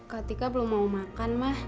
kak tika belum mau makan ma